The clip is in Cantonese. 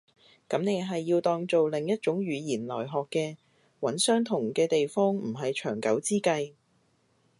噉你係要當做另一種語言來學嘅。揾相同嘅地方唔係長久之計